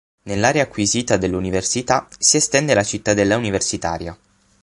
Nell'area acquisita dell'università si estende la cittadella universitaria.